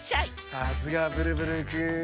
さすがブルブルくん。